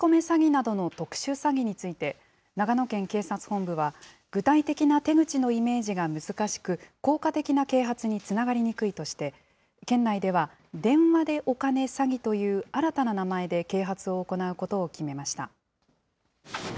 詐欺などの特殊詐欺について、長野県警察本部は、具体的な手口のイメージが難しく、効果的な啓発につながりにくいとして、県内では、電話でお金詐欺という新たな名前で啓発を行うことを決めました。